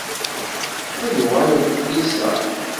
Ad uɣalent tlisa.